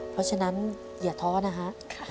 เพราะฉะนั้นอย่าท้อนะฮะ